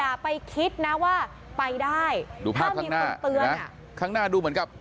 อย่าไปคิดนะว่าไปได้ดูภาพข้างหน้าดูเหมือนกับ